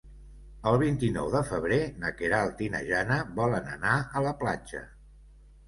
El vint-i-nou de febrer na Queralt i na Jana volen anar a la platja.